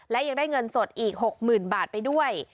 และยังได้เงินสดอีก๖๐๐๐บาทไปด้วย